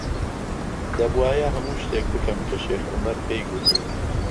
دەبووایە هەموو شتێک بکەم کە شێخ عومەر پێی گوتم.